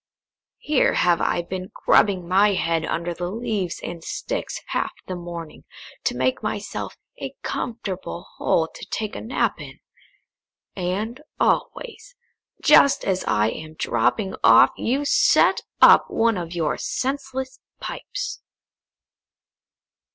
"Here have I been grubbing my head under the leaves and sticks half the morning, to make myself a comfortable hole to take a nap in; and always, just as I am dropping off, you set up one of your senseless pipes."